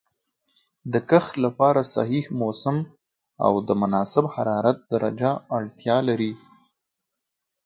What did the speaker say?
د کښت لپاره صحیح موسم او د مناسب حرارت درجه اړتیا لري.